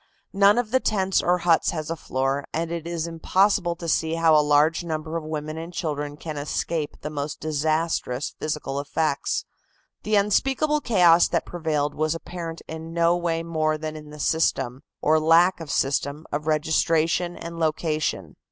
None of the tents or huts has a floor, and it is impossible to see how a large number of women and children can escape the most disastrous physical effects. The unspeakable chaos that prevailed was apparent in no way more than in the system, or lack of system, of registration and location.